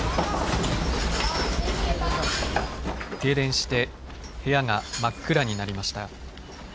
停電して部屋が真っ暗になりました。